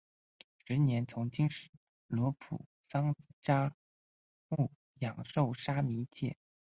十一年从经师罗卜桑札木养受沙弥戒。